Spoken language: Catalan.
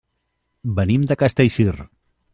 Venim de Castellcir.